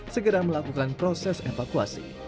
segera melakukan proses evakuasi